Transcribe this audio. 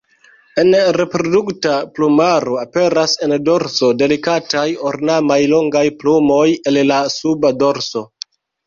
En reprodukta plumaro, aperas en dorso delikataj ornamaj longaj plumoj el la suba dorso.